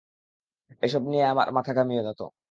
এসব নিয়ে আর মাথা ঘামিয়ো নাতো!